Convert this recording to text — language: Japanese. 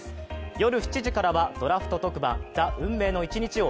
夜７時からはドラフト特番「ＴＨＥ運命の１日」を